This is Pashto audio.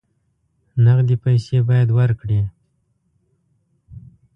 نقدې پیسې باید ورکړې.